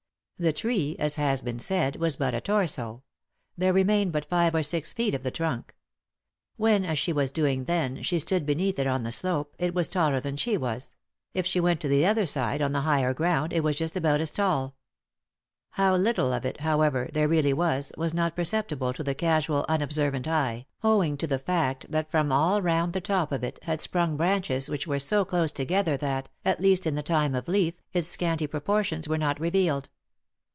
The tree, as has been said, was but a torso. There remained but five or six feet of the trunk. When, as she was doing then, she stood 72 3i 9 iii^d by Google THE INTERRUPTED KISS beneath it on the slope, it was taller than she was ; if she went to the other side, on the higher ground, it was just about as tall. How little of it, however, there really was, was not perceptible to the casual, unobservant eye, owing to the fact that from all round the top of it had sprung branches which were so close together that, at least in the time of leaf, its scanty proportions were not revealed.